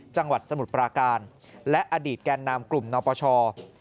จังหวัดสมุทรปราการและอดีตแก่นำกลุ่มนปช